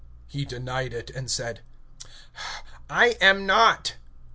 He denied, and said: I am not.